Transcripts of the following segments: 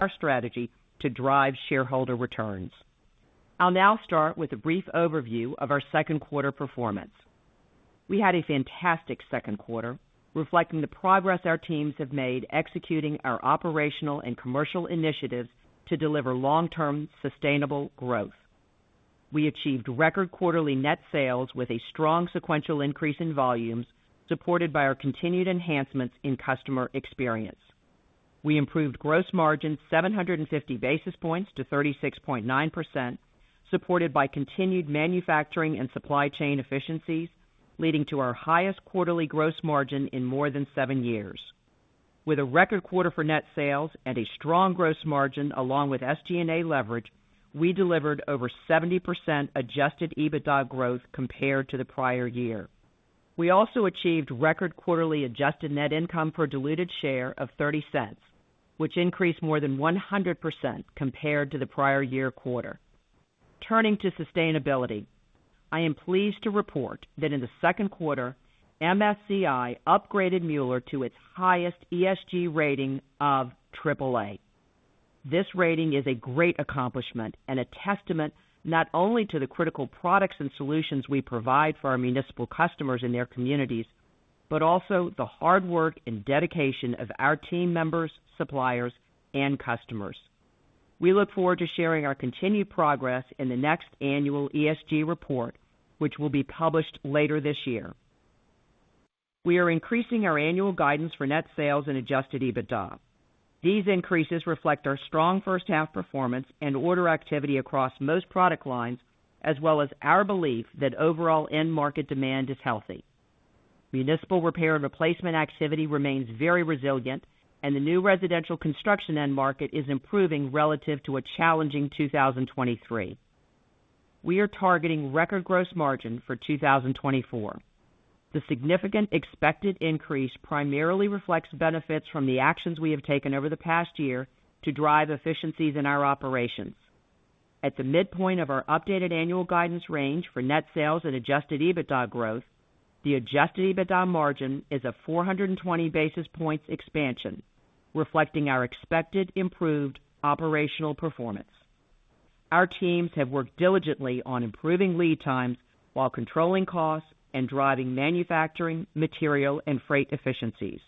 Our strategy to drive shareholder returns. I'll now start with a brief overview of our second quarter performance. We had a fantastic second quarter, reflecting the progress our teams have made executing our operational and commercial initiatives to deliver long-term, sustainable growth. We achieved record quarterly net sales with a strong sequential increase in volumes, supported by our continued enhancements in customer experience. We improved gross margin 750 basis points to 36.9%, supported by continued manufacturing and supply chain efficiencies, leading to our highest quarterly gross margin in more than seven years. With a record quarter for net sales and a strong gross margin, along with SG&A leverage, we delivered over 70% adjusted EBITDA growth compared to the prior year. We also achieved record quarterly adjusted net income for a diluted share of $0.30, which increased more than 100% compared to the prior year quarter. Turning to sustainability, I am pleased to report that in the second quarter, MSCI upgraded Mueller to its highest ESG rating of AAA. This rating is a great accomplishment and a testament not only to the critical products and solutions we provide for our municipal customers and their communities, but also the hard work and dedication of our team members, suppliers, and customers. We look forward to sharing our continued progress in the next annual ESG report, which will be published later this year. We are increasing our annual guidance for net sales and adjusted EBITDA. These increases reflect our strong first half performance and order activity across most product lines, as well as our belief that overall end market demand is healthy. Municipal repair and replacement activity remains very resilient, and the new residential construction end market is improving relative to a challenging 2023. We are targeting record gross margin for 2024. The significant expected increase primarily reflects benefits from the actions we have taken over the past year to drive efficiencies in our operations. At the midpoint of our updated annual guidance range for net sales and adjusted EBITDA growth, the adjusted EBITDA margin is a 420 basis points expansion, reflecting our expected improved operational performance. Our teams have worked diligently on improving lead times while controlling costs and driving manufacturing, material, and freight efficiencies.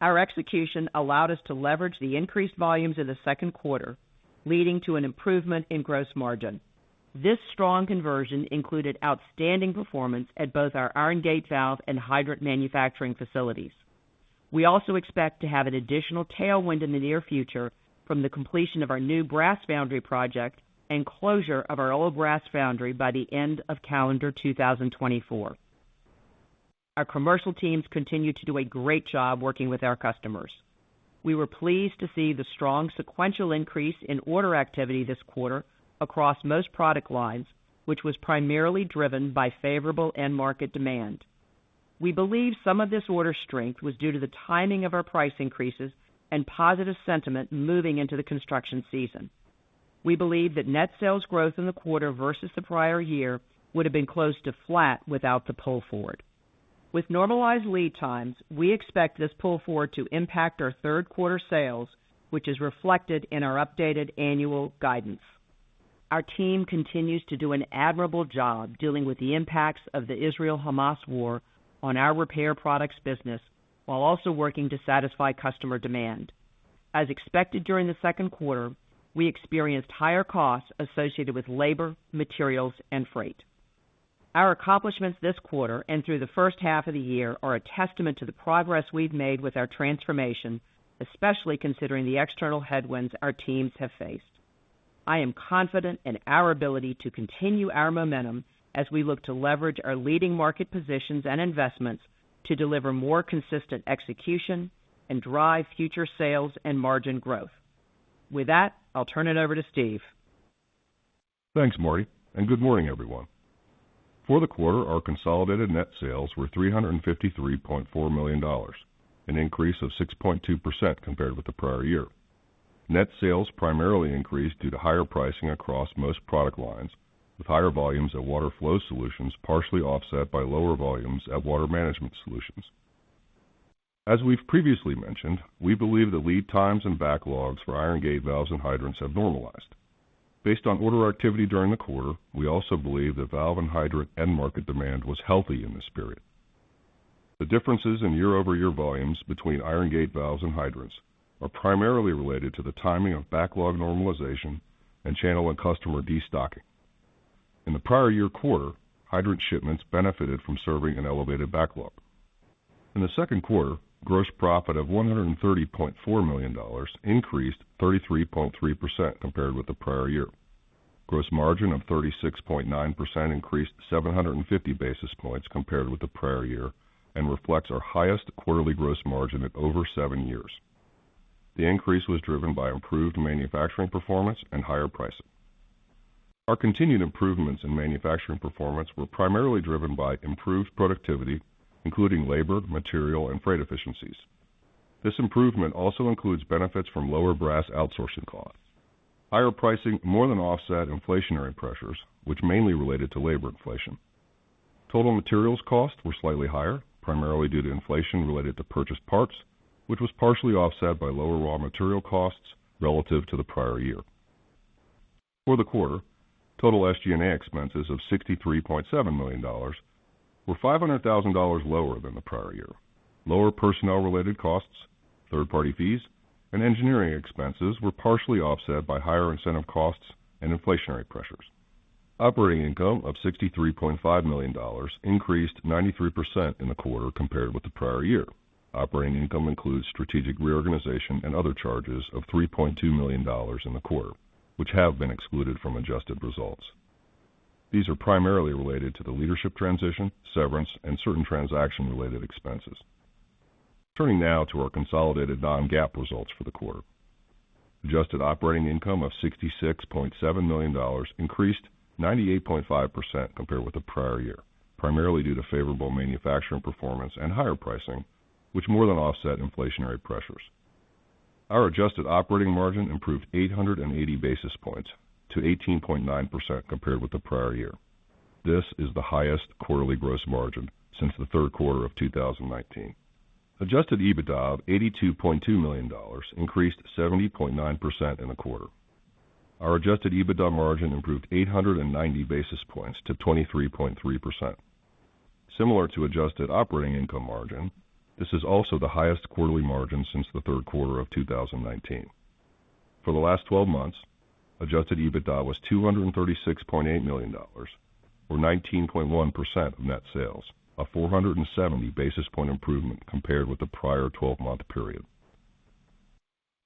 Our execution allowed us to leverage the increased volumes in the second quarter, leading to an improvement in gross margin. This strong conversion included outstanding performance at both our iron gate valve and hydrant manufacturing facilities. We also expect to have an additional tailwind in the near future from the completion of our new brass foundry project and closure of our old brass foundry by the end of calendar 2024. Our commercial teams continue to do a great job working with our customers. We were pleased to see the strong sequential increase in order activity this quarter across most product lines, which was primarily driven by favorable end market demand. We believe some of this order strength was due to the timing of our price increases and positive sentiment moving into the construction season. We believe that net sales growth in the quarter versus the prior year would have been close to flat without the pull forward. With normalized lead times, we expect this pull forward to impact our third quarter sales, which is reflected in our updated annual guidance. Our team continues to do an admirable job dealing with the impacts of the Israel-Hamas war on our repair products business, while also working to satisfy customer demand. As expected during the second quarter, we experienced higher costs associated with labor, materials, and freight. Our accomplishments this quarter and through the first half of the year are a testament to the progress we've made with our transformation, especially considering the external headwinds our teams have faced. I am confident in our ability to continue our momentum as we look to leverage our leading market positions and investments to deliver more consistent execution and drive future sales and margin growth. With that, I'll turn it over to Steve. Thanks, Martie, and good morning, everyone. For the quarter, our consolidated net sales were $353.4 million, an increase of 6.2% compared with the prior year. Net sales primarily increased due to higher pricing across most product lines, with higher volumes at Water Flow Solutions, partially offset by lower volumes at Water Management Solutions. As we've previously mentioned, we believe the lead times and backlogs for iron gate valves and hydrants have normalized. Based on order activity during the quarter, we also believe that valve and hydrant end market demand was healthy in this period. The differences in year-over-year volumes between iron gate valves and hydrants are primarily related to the timing of backlog normalization and channel and customer destocking. In the prior year quarter, hydrant shipments benefited from serving an elevated backlog. In the second quarter, gross profit of $130.4 million increased 33.3% compared with the prior year. Gross margin of 36.9% increased 750 basis points compared with the prior year and reflects our highest quarterly gross margin in over seven years. The increase was driven by improved manufacturing performance and higher pricing. Our continued improvements in manufacturing performance were primarily driven by improved productivity, including labor, material, and freight efficiencies. This improvement also includes benefits from lower brass outsourcing costs. Higher pricing more than offset inflationary pressures, which mainly related to labor inflation. Total materials costs were slightly higher, primarily due to inflation related to purchased parts, which was partially offset by lower raw material costs relative to the prior year. For the quarter, total SG&A expenses of $63.7 million were $500,000 lower than the prior year. Lower personnel-related costs, third-party fees, and engineering expenses were partially offset by higher incentive costs and inflationary pressures. Operating income of $63.5 million increased 93% in the quarter compared with the prior year. Operating income includes strategic reorganization and other charges of $3.2 million in the quarter, which have been excluded from adjusted results. These are primarily related to the leadership transition, severance, and certain transaction-related expenses. Turning now to our consolidated non-GAAP results for the quarter. Adjusted operating income of $66.7 million increased 98.5% compared with the prior year, primarily due to favorable manufacturing performance and higher pricing, which more than offset inflationary pressures. Our adjusted operating margin improved 880 basis points to 18.9% compared with the prior year. This is the highest quarterly gross margin since the third quarter of 2019. adjusted EBITDA of $82.2 million increased 70.9% in the quarter. Our adjusted EBITDA margin improved 890 basis points to 23.3%. Similar to adjusted operating income margin, this is also the highest quarterly margin since the third quarter of 2019. For the last twelve months, adjusted EBITDA was $236.8 million, or 19.1% of net sales, a 470 basis point improvement compared with the prior twelve-month period.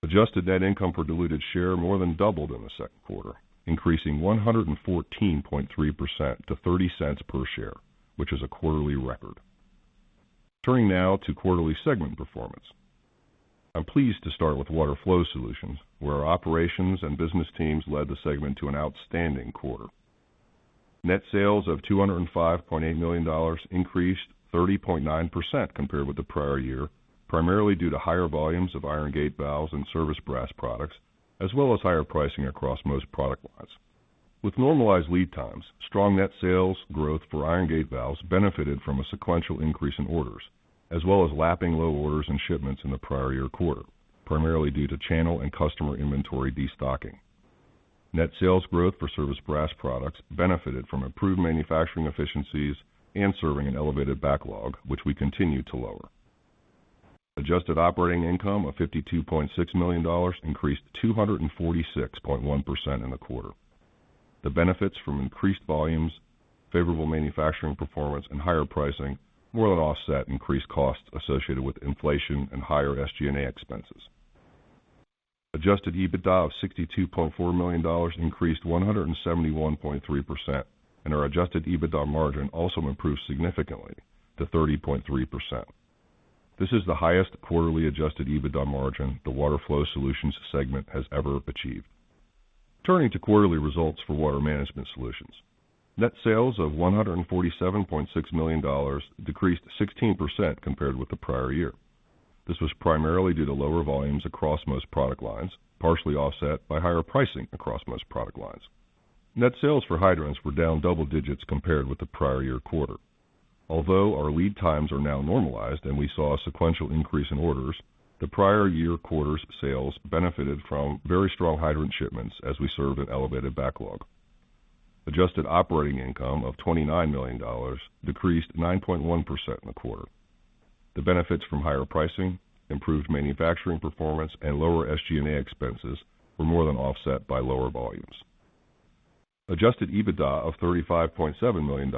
Adjusted net income per diluted share more than doubled in the second quarter, increasing 114.3% to $0.30 per share, which is a quarterly record. Turning now to quarterly segment performance. I'm pleased to start with Water Flow Solutions, where our operations and business teams led the segment to an outstanding quarter. Net sales of $205.8 million increased 30.9% compared with the prior year, primarily due to higher volumes of iron gate valves and service brass products, as well as higher pricing across most product lines. With normalized lead times, strong net sales growth for iron gate valves benefited from a sequential increase in orders, as well as lapping low orders and shipments in the prior year quarter, primarily due to channel and customer inventory destocking. Net sales growth for service brass products benefited from improved manufacturing efficiencies and serving an elevated backlog, which we continue to lower. Adjusted operating income of $52.6 million increased 246.1% in the quarter. The benefits from increased volumes, favorable manufacturing performance, and higher pricing more than offset increased costs associated with inflation and higher SG&A expenses. Adjusted EBITDA of $62.4 million increased 171.3%, and our adjusted EBITDA margin also improved significantly to 30.3%. This is the highest quarterly adjusted EBITDA margin the Water Flow Solutions segment has ever achieved. Turning to quarterly results for Water Management Solutions. Net sales of $147.6 million decreased 16% compared with the prior year. This was primarily due to lower volumes across most product lines, partially offset by higher pricing across most product lines. Net sales for hydrants were down double digits compared with the prior year quarter. Although our lead times are now normalized and we saw a sequential increase in orders, the prior year quarter's sales benefited from very strong hydrant shipments as we served an elevated backlog. Adjusted operating income of $29 million decreased 9.1% in the quarter. The benefits from higher pricing, improved manufacturing performance, and lower SG&A expenses were more than offset by lower volumes. Adjusted EBITDA of $35.7 million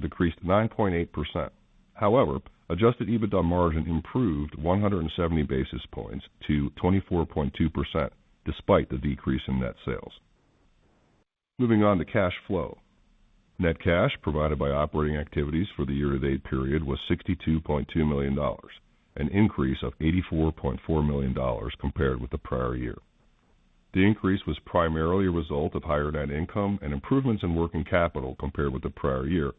decreased 9.8%. However, adjusted EBITDA margin improved 170 basis points to 24.2%, despite the decrease in net sales. Moving on to cash flow. Net cash provided by operating activities for the year-to-date period was $62.2 million, an increase of $84.4 million compared with the prior year. The increase was primarily a result of higher net income and improvements in working capital compared with the prior year,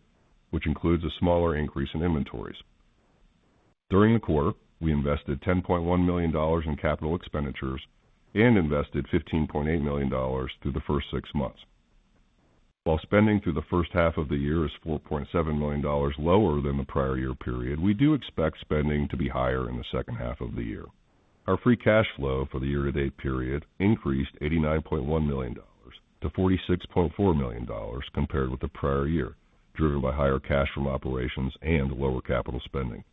which includes a smaller increase in inventories. During the quarter, we invested $10.1 million in capital expenditures and invested $15.8 million through the first six months. While spending through the first half of the year is $4.7 million lower than the prior year period, we do expect spending to be higher in the second half of the year. Our free cash flow for the year-to-date period increased $89.1 million to $46.4 million compared with the prior year, driven by higher cash from operations and lower capital spending.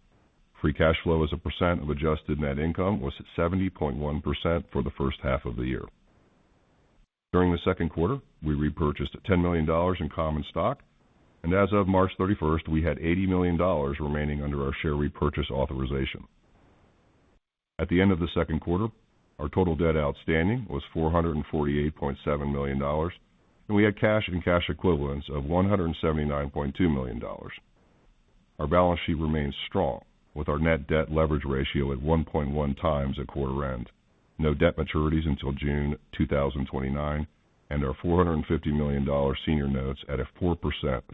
Free cash flow as a percent of adjusted net income was at 70.1% for the first half of the year. During the second quarter, we repurchased $10 million in common stock, and as of March 31st, we had $80 million remaining under our share repurchase authorization. At the end of the second quarter, our total debt outstanding was $448.7 million, and we had cash and cash equivalents of $179.2 million. Our balance sheet remains strong, with our net debt leverage ratio at 1.1 times at quarter end, no debt maturities until June 2029, and our $450 million senior notes at a 4%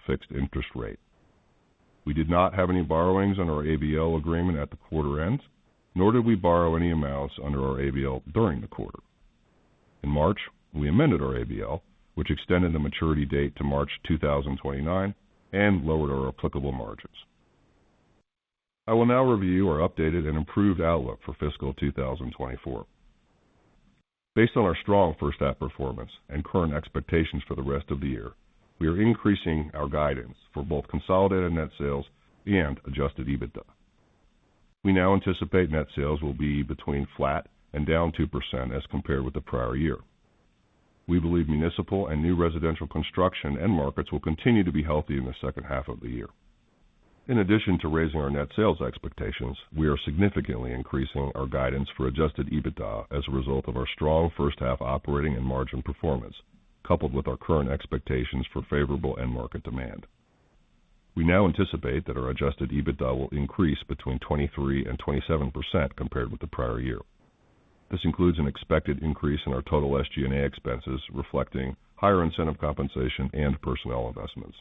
fixed interest rate. We did not have any borrowings on our ABL agreement at the quarter end, nor did we borrow any amounts under our ABL during the quarter. In March, we amended our ABL, which extended the maturity date to March 2029 and lowered our applicable margins. I will now review our updated and improved outlook for fiscal 2024. Based on our strong first half performance and current expectations for the rest of the year, we are increasing our guidance for both consolidated net sales and adjusted EBITDA. We now anticipate net sales will be between flat and down 2% as compared with the prior year. We believe municipal and new residential construction end markets will continue to be healthy in the second half of the year. In addition to raising our net sales expectations, we are significantly increasing our guidance for adjusted EBITDA as a result of our strong first half operating and margin performance, coupled with our current expectations for favorable end market demand. We now anticipate that our adjusted EBITDA will increase between 23% and 27% compared with the prior year. This includes an expected increase in our total SG&A expenses, reflecting higher incentive compensation and personnel investments.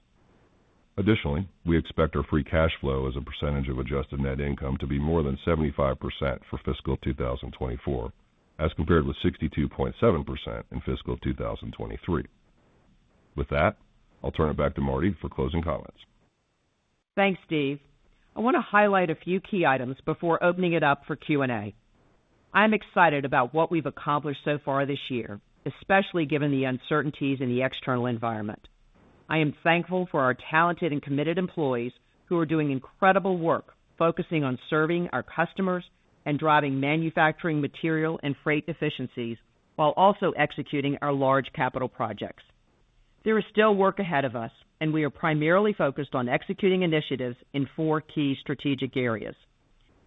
Additionally, we expect our free cash flow as a percentage of adjusted net income to be more than 75% for fiscal 2024, as compared with 62.7% in fiscal 2023. With that, I'll turn it back to Martie for closing comments. Thanks, Steve. I want to highlight a few key items before opening it up for Q&A. I'm excited about what we've accomplished so far this year, especially given the uncertainties in the external environment. I am thankful for our talented and committed employees who are doing incredible work, focusing on serving our customers and driving manufacturing, material, and freight efficiencies, while also executing our large capital projects. There is still work ahead of us, and we are primarily focused on executing initiatives in four key strategic areas.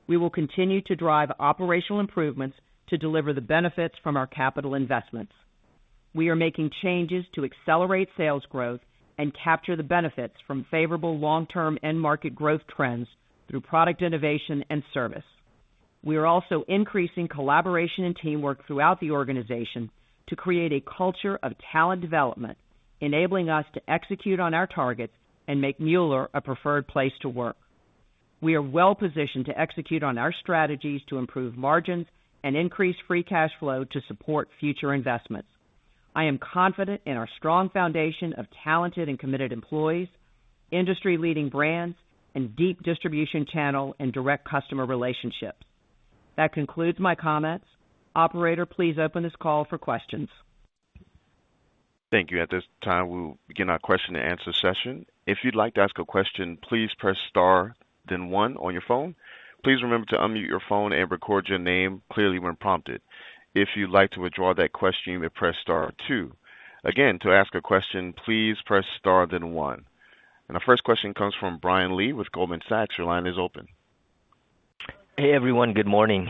We will continue to drive operational improvements to deliver the benefits from our capital investments. We are making changes to accelerate sales growth and capture the benefits from favorable long-term end market growth trends through product innovation and service. We are also increasing collaboration and teamwork throughout the organization to create a culture of talent development, enabling us to execute on our targets and make Mueller a preferred place to work. We are well positioned to execute on our strategies to improve margins and increase free cash flow to support future investments. I am confident in our strong foundation of talented and committed employees, industry-leading brands, and deep distribution channel and direct customer relationships. That concludes my comments. Operator, please open this call for questions. Thank you. At this time, we'll begin our question-and-answer session. If you'd like to ask a question, please press star, then one on your phone. Please remember to unmute your phone and record your name clearly when prompted. If you'd like to withdraw that question, you may press star two. Again, to ask a question, please press star, then one. Our first question comes from Brian Lee with Goldman Sachs. Your line is open. Hey, everyone. Good morning,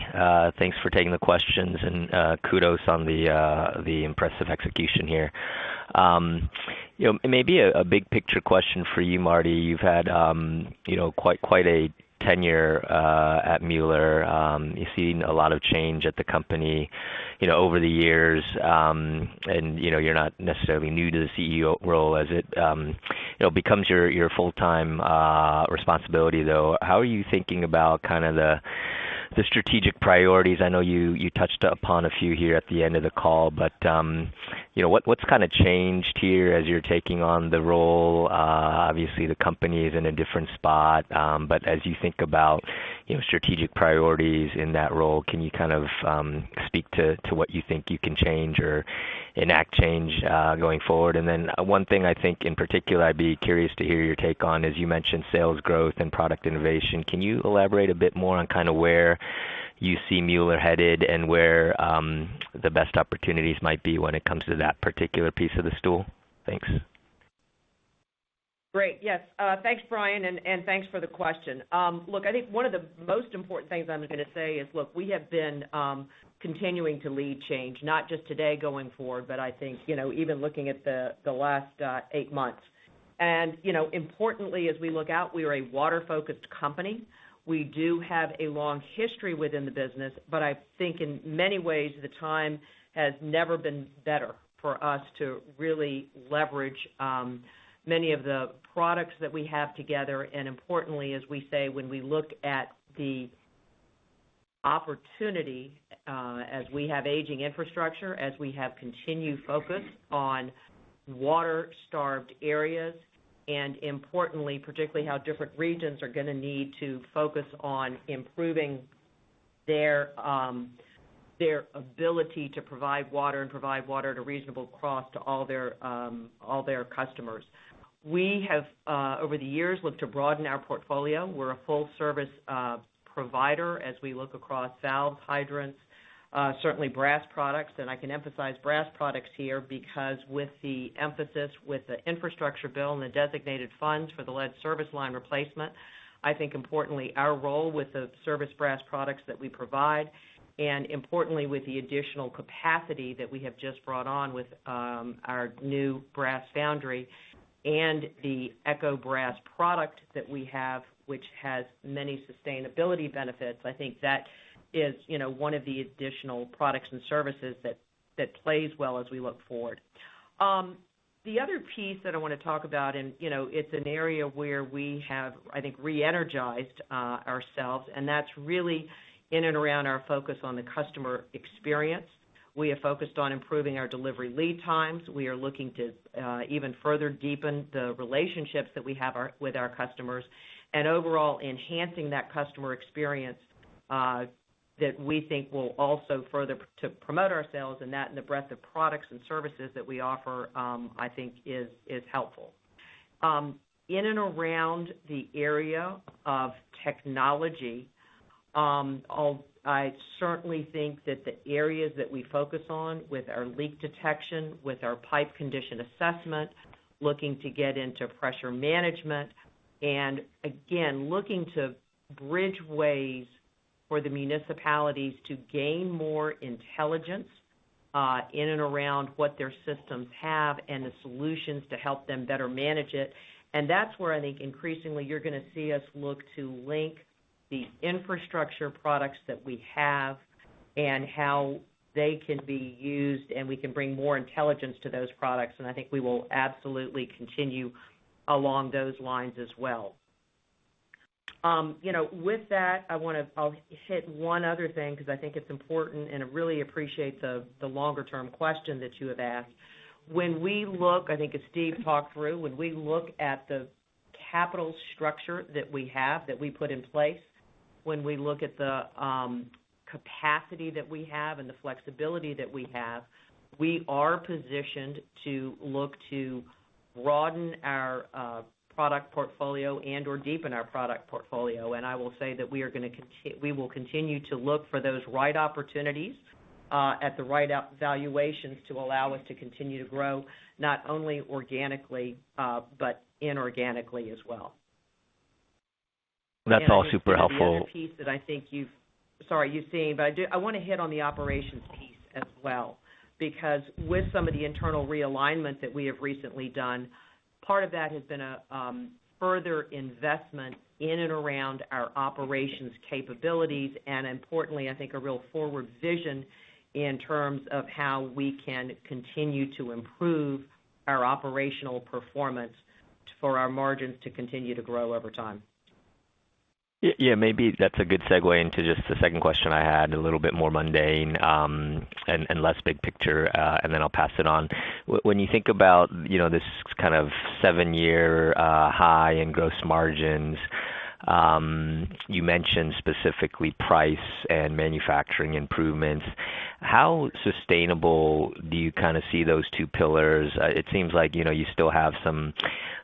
thanks for taking the questions, and, kudos on the, the impressive execution here. You know, it may be a big picture question for you, Martie. You've had, you know, quite a tenure at Mueller. You've seen a lot of change at the company, you know, over the years, and you know, you're not necessarily new to the CEO role as it, you know, becomes your full-time responsibility, though. How are you thinking about kind of the strategic priorities? I know you touched upon a few here at the end of the call, but, you know, what's kind of changed here as you're taking on the role? Obviously, the company is in a different spot, but as you think about, you know, strategic priorities in that role, can you kind of speak to what you think you can change or enact change going forward? And then one thing I think in particular, I'd be curious to hear your take on, is you mentioned sales growth and product innovation. Can you elaborate a bit more on kind of where you see Mueller headed and where the best opportunities might be when it comes to that particular piece of the stool? Thanks. Great. Yes. Thanks, Brian, and thanks for the question. Look, I think one of the most important things I'm gonna say is, look, we have been continuing to lead change, not just today going forward, but I think, you know, even looking at the last eight months. And, you know, importantly, as we look out, we are a water-focused company. We do have a long history within the business, but I think in many ways, the time has never been better for us to really leverage many of the products that we have together, and importantly, as we say, when we look at the opportunity, as we have aging infrastructure, as we have continued focus on water-starved areas, and importantly, particularly how different regions are gonna need to focus on improving their their ability to provide water and provide water at a reasonable cost to all their all their customers. We have over the years, looked to broaden our portfolio. We're a full service provider as we look across valves, hydrants, certainly brass products. I can emphasize brass products here, because with the emphasis, with the infrastructure bill and the designated funds for the lead service line replacement, I think importantly, our role with the service brass products that we provide, and importantly, with the additional capacity that we have just brought on with, our new brass foundry and the Eco Brass product that we have, which has many sustainability benefits, I think that is, you know, one of the additional products and services that, that plays well as we look forward. The other piece that I wanna talk about, and, you know, it's an area where we have, I think, re-energized, ourselves, and that's really in and around our focus on the customer experience. We have focused on improving our delivery lead times. We are looking to even further deepen the relationships that we have with our customers, and overall, enhancing that customer experience, that we think will also further to promote ourselves, and that, and the breadth of products and services that we offer, I think is helpful. In and around the area of technology, I certainly think that the areas that we focus on with our leak detection, with our pipe condition assessment, looking to get into pressure management, and again, looking to bridge ways for the municipalities to gain more intelligence, in and around what their systems have and the solutions to help them better manage it. That's where I think increasingly you're gonna see us look to link the infrastructure products that we have and how they can be used, and we can bring more intelligence to those products, and I think we will absolutely continue along those lines as well. You know, with that, I wanna—I'll hit one other thing, 'cause I think it's important, and I really appreciate the longer-term question that you have asked. When we look, I think as Steve talked through, when we look at the capital structure that we have, that we put in place, when we look at the capacity that we have and the flexibility that we have, we are positioned to look to broaden our product portfolio and/or deepen our product portfolio. I will say that we will continue to look for those right opportunities at the right valuations to allow us to continue to grow, not only organically, but inorganically as well. That's all super helpful. And I think the other piece that I think you've, sorry, you've seen, but I do, I wanna hit on the operations piece as well, because with some of the internal realignments that we have recently done, part of that has been a further investment in and around our operations capabilities, and importantly, I think a real forward vision in terms of how we can continue to improve our operational performance for our margins to continue to grow over time. Yeah, maybe that's a good segue into just the second question I had, a little bit more mundane, and less big picture, and then I'll pass it on. When you think about, you know, this kind of seven-year high in gross margins, you mentioned specifically price and manufacturing improvements. How sustainable do you kind of see those two pillars? It seems like, you know, you still have some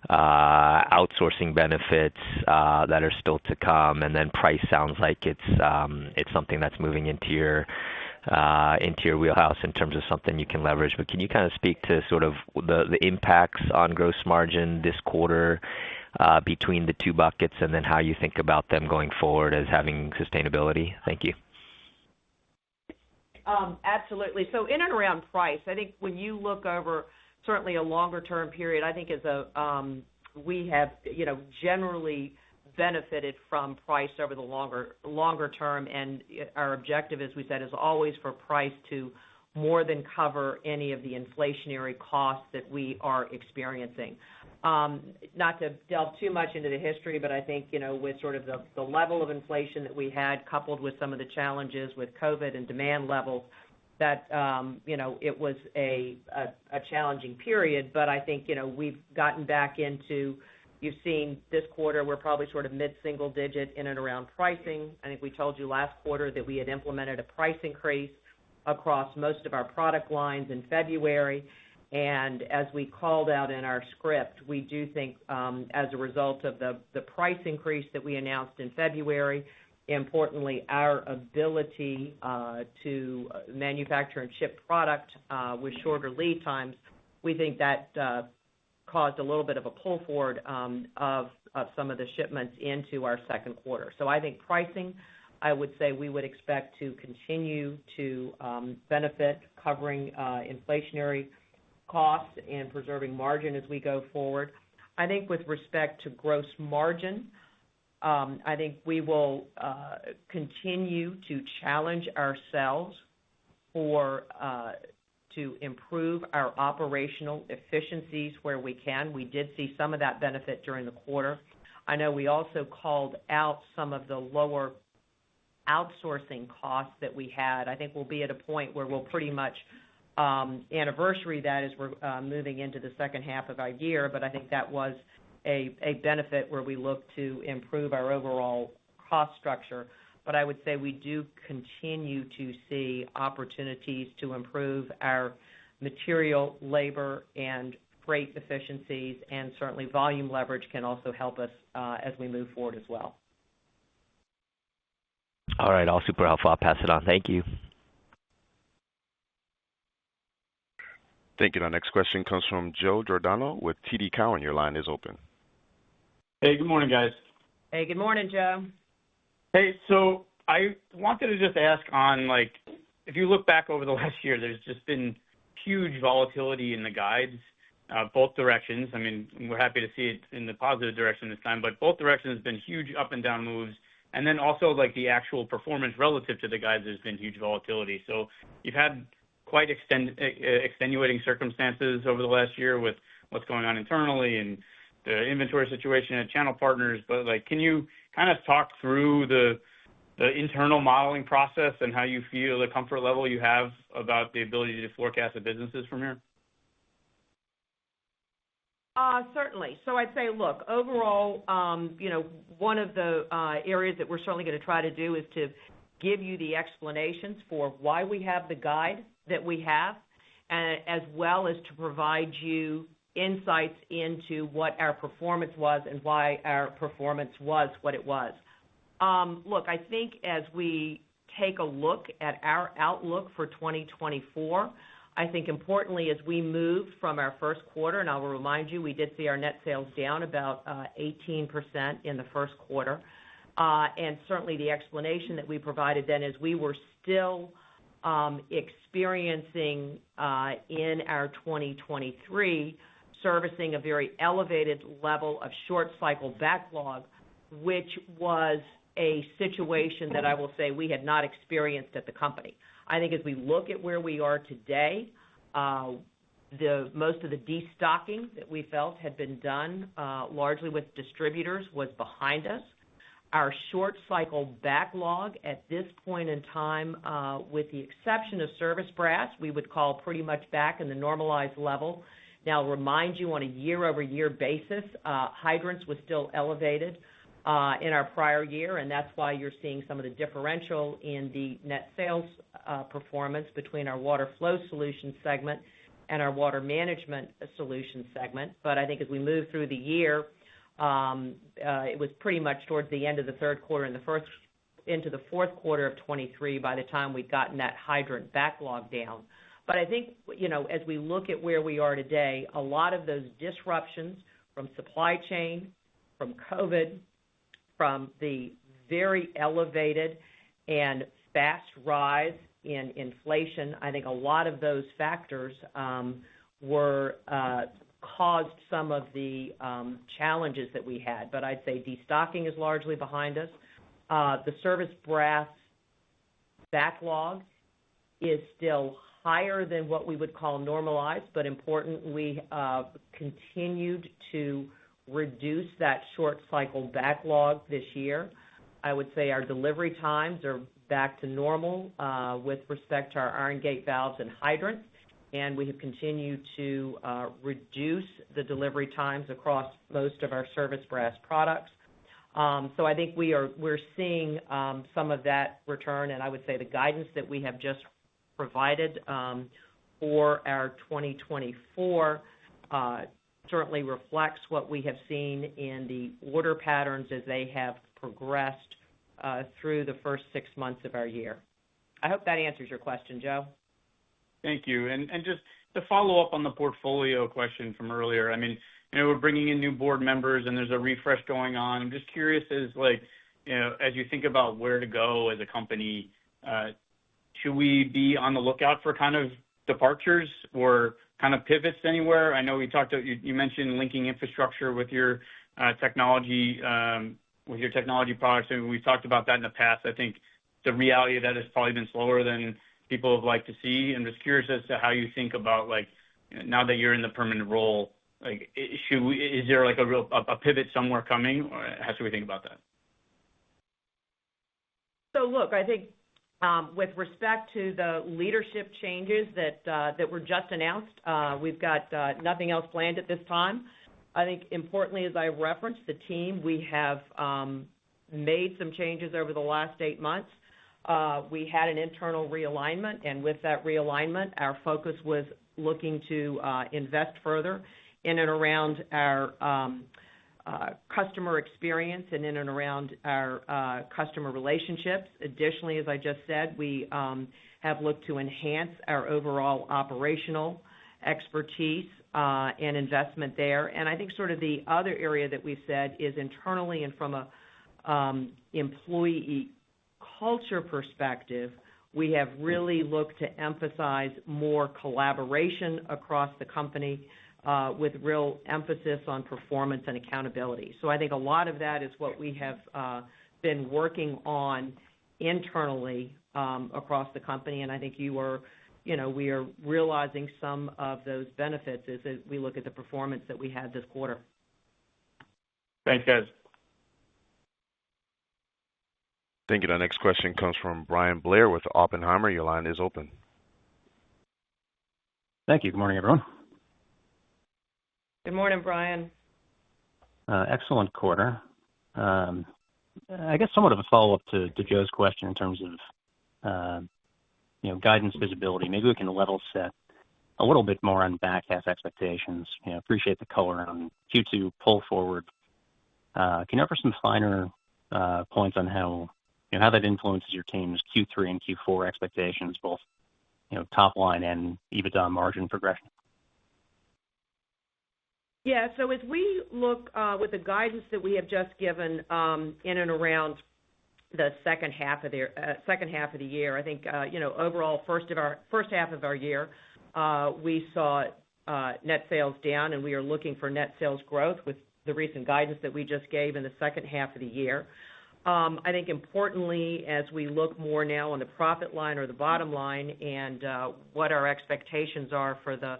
outsourcing benefits that are still to come, and then price sounds like it's something that's moving into your wheelhouse in terms of something you can leverage. But can you kind of speak to sort of the impacts on gross margin this quarter between the two buckets, and then how you think about them going forward as having sustainability? Thank you. Absolutely. So in and around price, I think when you look over certainly a longer-term period, I think as a, we have, you know, generally benefited from price over the longer, longer term, and our objective, as we said, is always for price to more than cover any of the inflationary costs that we are experiencing. Not to delve too much into the history, but I think, you know, with sort of the, the level of inflation that we had, coupled with some of the challenges with COVID and demand levels, that, you know, it was a, a challenging period. But I think, you know, we've gotten back into. You've seen this quarter, we're probably sort of mid-single digit in and around pricing. I think we told you last quarter that we had implemented a price increase across most of our product lines in February. As we called out in our script, we do think, as a result of the price increase that we announced in February, importantly, our ability to manufacture and ship product with shorter lead times, we think that caused a little bit of a pull forward of some of the shipments into our second quarter. I think pricing, I would say we would expect to continue to benefit covering inflationary costs and preserving margin as we go forward. I think with respect to gross margin, I think we will continue to challenge ourselves to improve our operational efficiencies where we can. We did see some of that benefit during the quarter. I know we also called out some of the lower outsourcing costs that we had. I think we'll be at a point where we'll pretty much anniversary that as we're moving into the second half of our year, but I think that was a benefit where we look to improve our overall cost structure. But I would say we do continue to see opportunities to improve our material, labor, and freight efficiencies, and certainly volume leverage can also help us as we move forward as well. All right. All super helpful. I'll pass it on. Thank you. Thank you. Our next question comes from Joe Giordano with TD Cowen. Your line is open. Hey, good morning, guys. Hey, good morning, Joe. Hey, so I wanted to just ask on, like, if you look back over the last year, there's just been huge volatility in the guides, both directions. I mean, we're happy to see it in the positive direction this time, but both directions have been huge up and down moves. And then also, like, the actual performance relative to the guides has been huge volatility. So you've had quite extenuating circumstances over the last year with what's going on internally and the inventory situation and channel partners. But, like, can you kind of talk through the internal modeling process and how you feel the comfort level you have about the ability to forecast the businesses from here? Certainly. So I'd say, look, overall, you know, one of the areas that we're certainly gonna try to do is to give you the explanations for why we have the guide that we have, as well as to provide you insights into what our performance was and why our performance was what it was. Look, I think as we take a look at our outlook for 2024, I think importantly, as we move from our first quarter, and I will remind you, we did see our net sales down about 18% in the first quarter. And certainly, the explanation that we provided then is we were still experiencing, in our 2023, servicing a very elevated level of short cycle backlog, which was a situation that I will say we had not experienced at the company. I think as we look at where we are today, the most of the destocking that we felt had been done, largely with distributors, was behind us. Our short cycle backlog at this point in time, with the exception of service brass, we would call pretty much back in the normalized level. Now, I'll remind you, on a year-over-year basis, hydrants was still elevated, in our prior year, and that's why you're seeing some of the differential in the net sales, performance between our Water Flow Solutions segment and our Water Management Solutions segment. But I think as we move through the year, it was pretty much towards the end of the third quarter and the first into the fourth quarter of 2023 by the time we'd gotten that hydrant backlog down. But I think, you know, as we look at where we are today, a lot of those disruptions from supply chain, from COVID, from the very elevated and fast rise in inflation, I think a lot of those factors, were caused some of the challenges that we had. But I'd say destocking is largely behind us. The service brass backlog is still higher than what we would call normalized, but importantly, continued to reduce that short cycle backlog this year. I would say our delivery times are back to normal, with respect to our iron gate valves and hydrants, and we have continued to, reduce the delivery times across most of our service brass products. So I think we're seeing some of that return, and I would say the guidance that we have just provided for our 2024 certainly reflects what we have seen in the order patterns as they have progressed through the first six months of our year. I hope that answers your question, Joe. Thank you. And just to follow up on the portfolio question from earlier, I mean, you know, we're bringing in new board members, and there's a refresh going on. I'm just curious as, like, you know, as you think about where to go as a company, should we be on the lookout for kind of departures or kind of pivots anywhere? I know we talked about, you mentioned linking infrastructure with your technology, with your technology products, and we've talked about that in the past. I think the reality of that has probably been slower than people would like to see. I'm just curious as to how you think about, like, now that you're in the permanent role, like, should we, is there, like, a real, a pivot somewhere coming, or how should we think about that? So look, I think, with respect to the leadership changes that were just announced, we've got nothing else planned at this time. I think importantly, as I referenced, the team, we have, made some changes over the last eight months. We had an internal realignment, and with that realignment, our focus was looking to, invest further in and around our, customer experience and in and around our, customer relationships. Additionally, as I just said, we, have looked to enhance our overall operational expertise, and investment there. And I think sort of the other area that we've said is internally and from a, employee culture perspective, we have really looked to emphasize more collaboration across the company, with real emphasis on performance and accountability. So I think a lot of that is what we have been working on internally across the company, and I think you know, we are realizing some of those benefits as we look at the performance that we had this quarter. Thanks, guys. Thank you. The next question comes from Bryan Blair with Oppenheimer. Your line is open. Thank you. Good morning, everyone. Good morning, Bryan. Excellent quarter. I guess somewhat of a follow-up to Joe's question in terms of you know guidance visibility. Maybe we can level set a little bit more on back half expectations. You know, appreciate the color on Q2 pull forward. Can you offer some finer points on how, you know, how that influences your team's Q3 and Q4 expectations, both, you know, top line and EBITDA margin progression? Yeah, so as we look with the guidance that we have just given in and around the second half of the year, second half of the year, I think you know, overall, first half of our year, we saw net sales down, and we are looking for net sales growth with the recent guidance that we just gave in the second half of the year. I think importantly, as we look more now on the profit line or the bottom line and what our expectations are for the,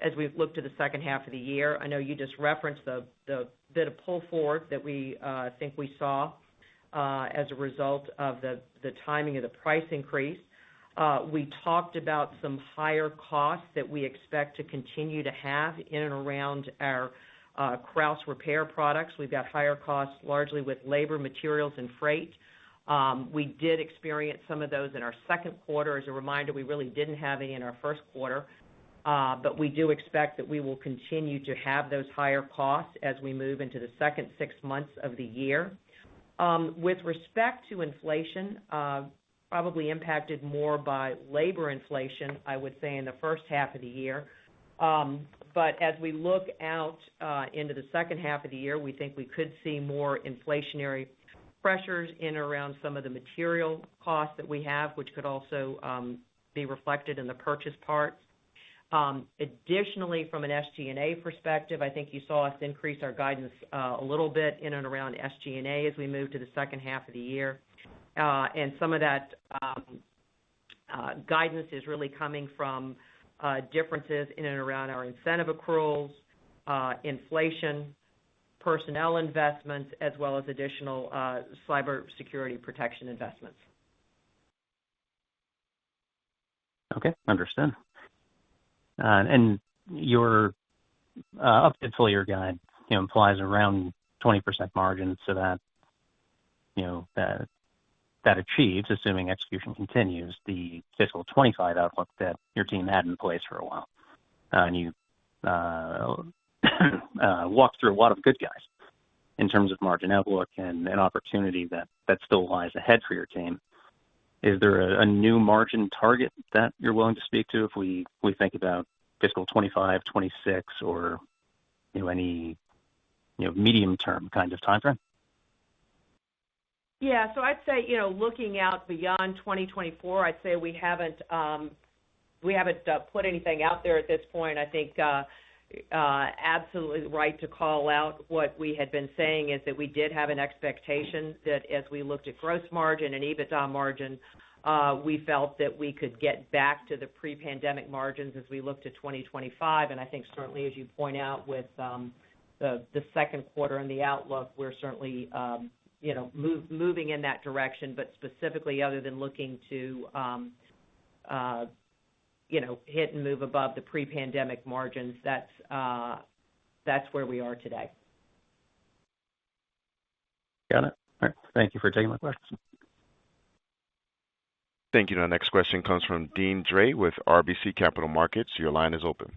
as we've looked to the second half of the year, I know you just referenced the bit of pull forward that we think we saw as a result of the timing of the price increase. We talked about some higher costs that we expect to continue to have in and around our Krausz repair products. We've got higher costs, largely with labor, materials, and freight. We did experience some of those in our second quarter. As a reminder, we really didn't have any in our first quarter, but we do expect that we will continue to have those higher costs as we move into the second six months of the year. With respect to inflation, probably impacted more by labor inflation, I would say, in the first half of the year. But as we look out into the second half of the year, we think we could see more inflationary pressures in around some of the material costs that we have, which could also be reflected in the purchase part. Additionally, from an SG&A perspective, I think you saw us increase our guidance, a little bit in and around SG&A as we move to the second half of the year. And some of that guidance is really coming from differences in and around our incentive accruals, inflation, personnel investments, as well as additional cybersecurity protection investments. Okay, understood. And your updated full-year guide, you know, implies around 20% margin so that, you know, that achieves, assuming execution continues, the fiscal 2025 outlook that your team had in place for a while. And you walked through a lot of good guys in terms of margin outlook and an opportunity that, that still lies ahead for your team. Is there a new margin target that you're willing to speak to if we think about fiscal 2025, 2026 or, you know, any medium-term kind of timeframe? Yeah. So I'd say, you know, looking out beyond 2024, I'd say we haven't put anything out there at this point. I think absolutely right to call out what we had been saying is that we did have an expectation that as we looked at gross margin and EBITDA margin, we felt that we could get back to the pre-pandemic margins as we looked to 2025. And I think certainly as you point out with the second quarter and the outlook, we're certainly, you know, moving in that direction. But specifically, other than looking to, you know, hit and move above the pre-pandemic margins, that's where we are today. Got it. All right. Thank you for taking my questions. Thank you. Our next question comes from Deane Dray with RBC Capital Markets. Your line is open.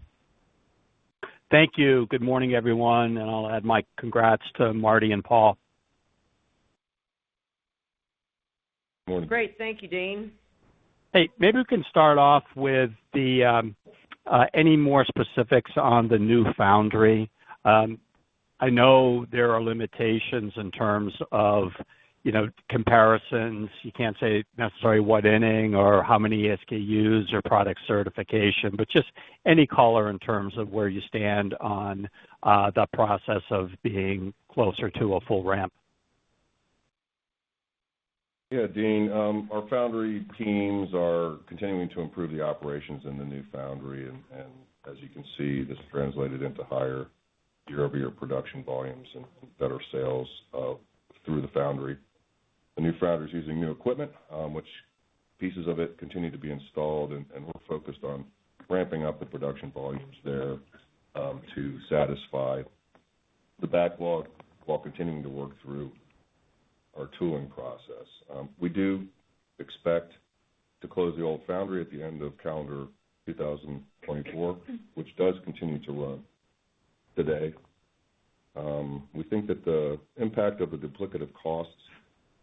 Thank you. Good morning, everyone, and I'll add my congrats to Martie and Paul. Great. Thank you, Deane. Hey, maybe we can start off with any more specifics on the new foundry. I know there are limitations in terms of, you know, comparisons. You can't say necessarily what inning or how many SKUs or product certification, but just any color in terms of where you stand on the process of being closer to a full ramp. Yeah, Deane, our foundry teams are continuing to improve the operations in the new foundry, and as you can see, this translated into higher year-over-year production volumes and better sales through the foundry. The new foundry is using new equipment, which pieces of it continue to be installed, and we're focused on ramping up the production volumes there to satisfy the backlog while continuing to work through our tooling process. We do expect to close the old foundry at the end of calendar 2024, which does continue to run today. We think that the impact of the duplicative costs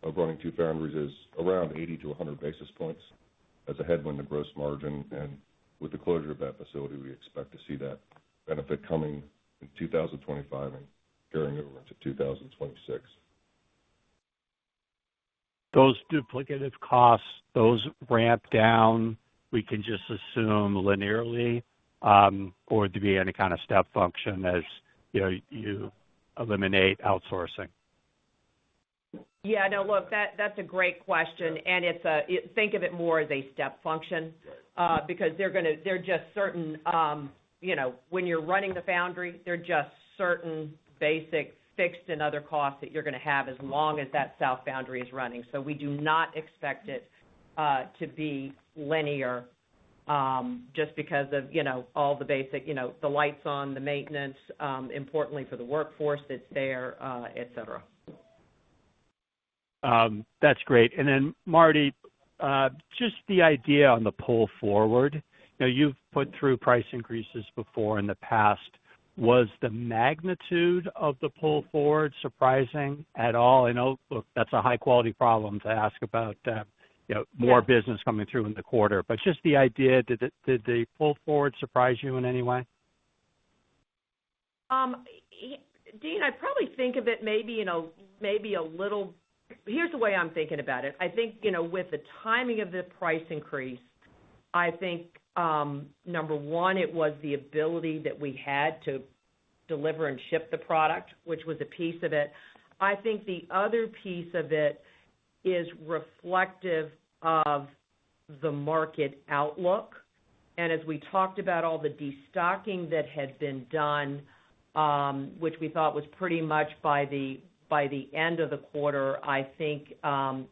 of running two foundries is around 80-100 basis points as a headwind to gross margin, and with the closure of that facility, we expect to see that benefit coming in 2025 and carrying over into 2026. Those duplicative costs, those ramp down, we can just assume linearly, or to be any kind of step function as, you know, you eliminate outsourcing? Yeah, no, look, that's a great question, and it's a step function because they're just certain, you know, when you're running the foundry, they're just certain basic fixed and other costs that you're gonna have as long as that south foundry is running. So we do not expect it to be linear just because of, you know, all the basic, you know, the lights on, the maintenance, importantly for the workforce that's there, et cetera. That's great. Then, Martie, just the idea on the pull forward. Now, you've put through price increases before in the past. Was the magnitude of the pull forward surprising at all? I know, look, that's a high-quality problem to ask about, you know, more business coming through in the quarter, but just the idea, did the pull forward surprise you in any way? Deane, I probably think of it maybe in a, maybe a little. Here's the way I'm thinking about it. I think, you know, with the timing of the price increase, I think, number one, it was the ability that we had to deliver and ship the product, which was a piece of it. I think the other piece of it is reflective of the market outlook, and as we talked about all the destocking that had been done, which we thought was pretty much by the, by the end of the quarter, I think,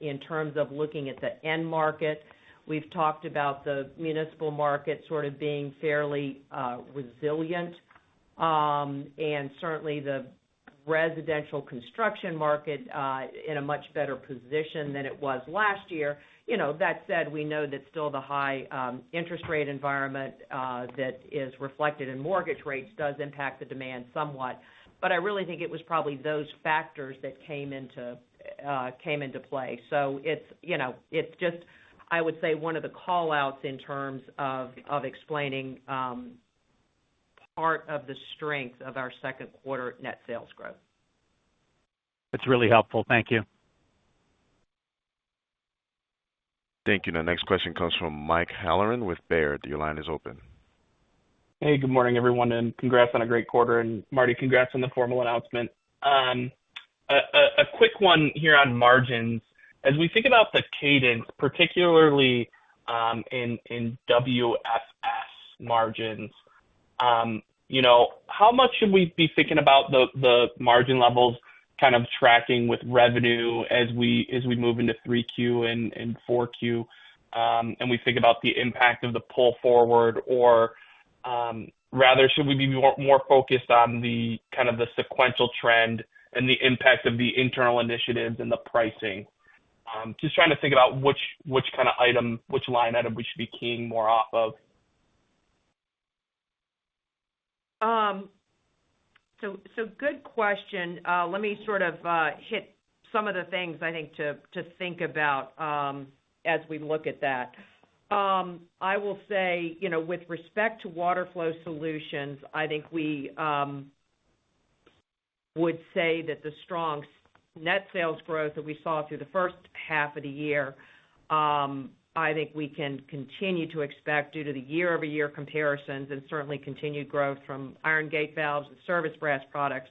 in terms of looking at the end market, we've talked about the municipal market sort of being fairly, resilient. And certainly the residential construction market, in a much better position than it was last year. You know, that said, we know that still the high interest rate environment that is reflected in mortgage rates does impact the demand somewhat, but I really think it was probably those factors that came into, came into play. So it's, you know, it's just, I would say, one of the call-outs in terms of, of explaining part of the strength of our second quarter net sales growth. That's really helpful. Thank you. Thank you. The next question comes from Mike Halloran with Baird. Your line is open. Hey, good morning, everyone, and congrats on a great quarter, and Martie, congrats on the formal announcement. A quick one here on margins. As we think about the cadence, particularly, in WFS margins, you know, how much should we be thinking about the margin levels kind of tracking with revenue as we move into three Q and four Q, and we think about the impact of the pull forward? Or, rather, should we be more focused on the sequential trend and the impact of the internal initiatives and the pricing? Just trying to think about which kind of item which line item we should be keying more off of. So, good question. Let me sort of hit some of the things I think to think about as we look at that. I will say, you know, with respect to Water Flow Solutions, I think we would say that the strong net sales growth that we saw through the first half of the year, I think we can continue to expect due to the year-over-year comparisons and certainly continued growth from iron gate valves and service brass products.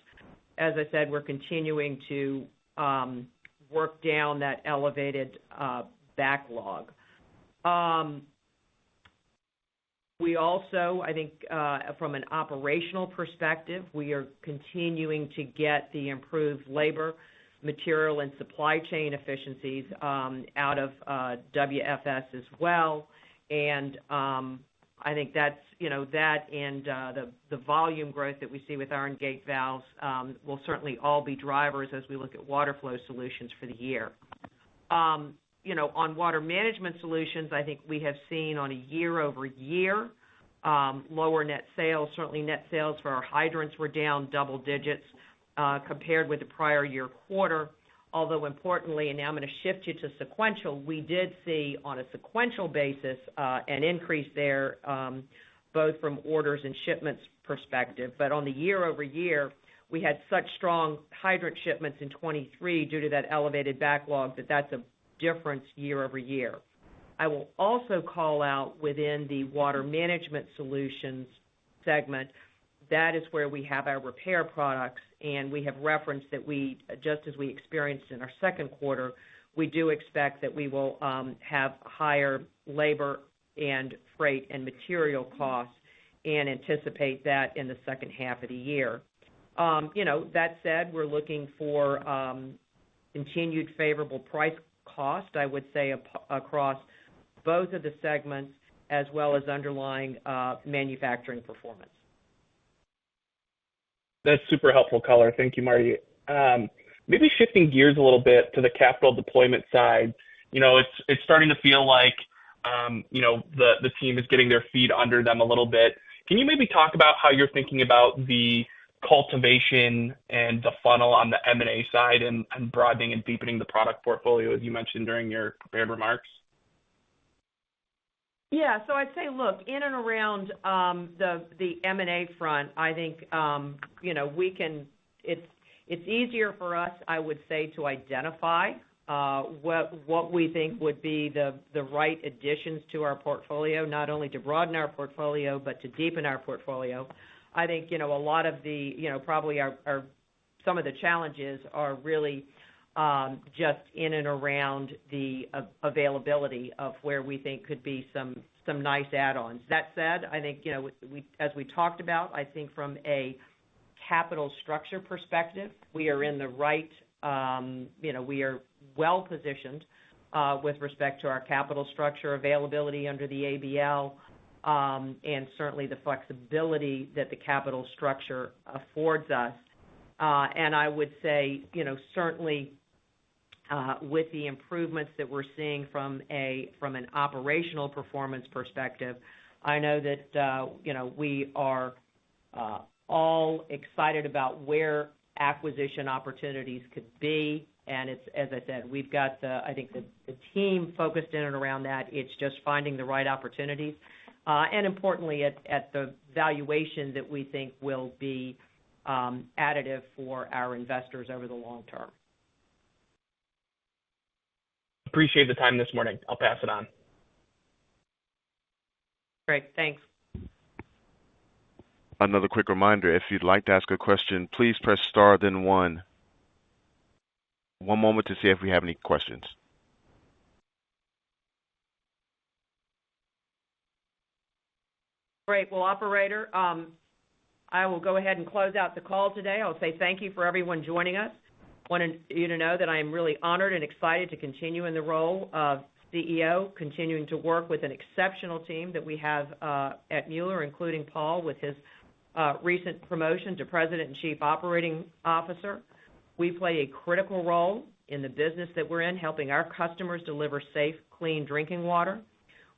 As I said, we're continuing to work down that elevated backlog. We also, I think, from an operational perspective, we are continuing to get the improved labor, material, and supply chain efficiencies out of WFS as well. I think that's, you know, that and the volume growth that we see with iron gate valves will certainly all be drivers as we look at Water Flow Solutions for the year. You know, on Water Management Solutions, I think we have seen on a year-over-year lower net sales. Certainly net sales for our hydrants were down double digits compared with the prior year quarter, although importantly, and now I'm gonna shift you to sequential, we did see on a sequential basis an increase there both from orders and shipments perspective. But on the year-over-year, we had such strong hydrant shipments in 2023 due to that elevated backlog, that that's a difference year-over-year. I will also call out within the Water Management Solutions segment, that is where we have our repair products, and we have referenced that we, just as we experienced in our second quarter, we do expect that we will have higher labor and freight and material costs, and anticipate that in the second half of the year. You know, that said, we're looking for continued favorable price cost, I would say, across both of the segments as well as underlying manufacturing performance. That's super helpful color. Thank you, Martie. Maybe shifting gears a little bit to the capital deployment side. You know, it's starting to feel like, you know, the team is getting their feet under them a little bit. Can you maybe talk about how you're thinking about the cultivation and the funnel on the M&A side and broadening and deepening the product portfolio, as you mentioned during your prepared remarks? Yeah. So I'd say, look, in and around the M&A front, I think you know, we can, it's easier for us, I would say, to identify what we think would be the right additions to our portfolio, not only to broaden our portfolio, but to deepen our portfolio. I think you know, a lot of the you know, probably our... Some of the challenges are really just in and around the availability of where we think could be some nice add-ons. That said, I think you know, we, as we talked about, I think from a capital structure perspective, we are in the right you know, we are well-positioned with respect to our capital structure availability under the ABL and certainly the flexibility that the capital structure affords us. And I would say, you know, certainly, with the improvements that we're seeing from an operational performance perspective, I know that, you know, we are all excited about where acquisition opportunities could be. And it's, as I said, we've got, I think the team focused in and around that. It's just finding the right opportunities, and importantly, at the valuation that we think will be additive for our investors over the long term. Appreciate the time this morning. I'll pass it on. Great. Thanks. Another quick reminder, if you'd like to ask a question, please press star, then one. One moment to see if we have any questions. Great. Well, operator, I will go ahead and close out the call today. I'll say thank you for everyone joining us. Wanted you to know that I am really honored and excited to continue in the role of CEO, continuing to work with an exceptional team that we have at Mueller, including Paul, with his recent promotion to President and Chief Operating Officer. We play a critical role in the business that we're in, helping our customers deliver safe, clean drinking water.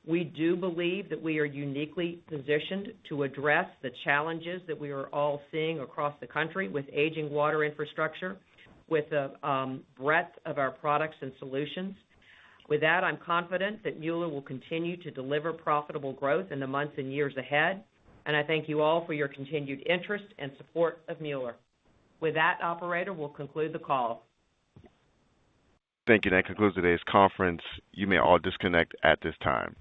We do believe that we are uniquely positioned to address the challenges that we are all seeing across the country with aging water infrastructure, with the breadth of our products and solutions. With that, I'm confident that Mueller will continue to deliver profitable growth in the months and years ahead, and I thank you all for your continued interest and support of Mueller. With that, operator, we'll conclude the call. Thank you. That concludes today's conference. You may all disconnect at this time.